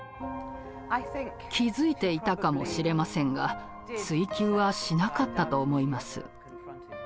気付いていたかもしれませんが追及はしなかったと思います。